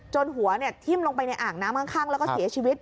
หัวทิ้มลงไปในอ่างน้ำข้างแล้วก็เสียชีวิต